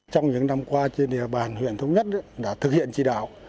trong những năm qua trên địa bàn huyện thống nhất đã thực hiện chỉ đạo